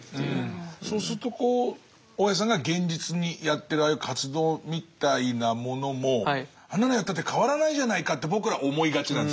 そうすると大江さんが現実にやってるああいう活動みたいなものもあんなのやったって変わらないじゃないかって僕ら思いがちなんですよ